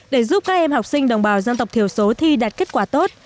để giúp các em học sinh đồng bào dân tộc thiểu số thi đạt kết quả tốt